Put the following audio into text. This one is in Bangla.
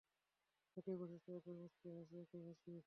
একই বৈশিষ্ট্য, একই মুচকি হাসি, একই হাসি।